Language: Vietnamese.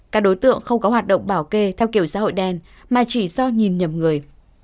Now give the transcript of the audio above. các đối tượng không có hoạt động bảo kê theo kiểu xã hội đen mà chỉ do nhìn nhầm người